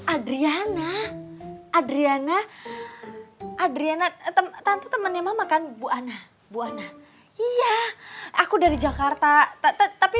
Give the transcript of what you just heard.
adriana adriana adriana temennya makan buana buna iya aku dari jakarta tapi